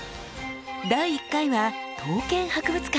第１回は刀剣博物館。